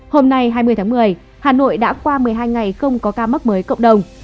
hôm nay hai mươi tháng một mươi hà nội đã qua một mươi hai ngày không có ca mắc mới cộng đồng